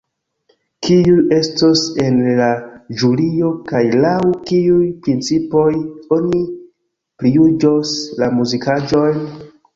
Kiuj estos en la ĵurio, kaj laŭ kiuj principoj oni prijuĝos la muzikaĵojn?